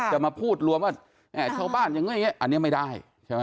จะมาพูดรวมว่าชาวบ้านอย่างนี้อันนี้ไม่ได้ใช่ไหม